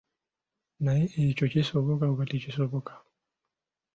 Naye ekyo kisoboka oba tekisoboka?